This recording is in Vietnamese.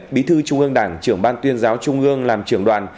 bí thư trung ương đảng trưởng ban tuyên giáo trung ương làm trưởng đoàn